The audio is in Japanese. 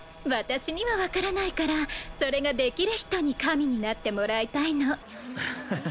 私には分からないからそれができる人に神になってもらいたいのアハハ